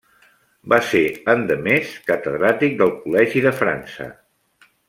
Va ser, endemés, catedràtic del Col·legi de França.